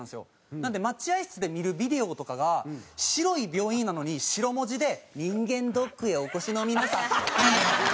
なので待合室で見るビデオとかが白い病院なのに白文字で「人間ドックへお越しの皆さん」みたいな。